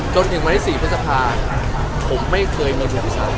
จนถึงวันที่สี่พฤษภาคผมไม่เคยเมื่อวันที่สาม